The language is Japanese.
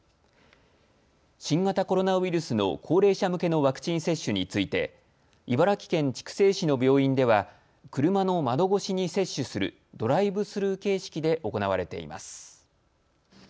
新型コロナウイルスの高齢者向けのワクチン接種について茨城県筑西市の病院では車の窓越しに接種するドライブスルー形式で行われています。